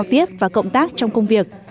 giao tiếp và cộng tác trong công việc